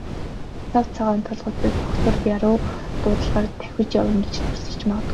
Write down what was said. Цав цагаан толгойтой доктор яаруу дуудлагаар давхиж явна гэж дүрсэлж ч магадгүй.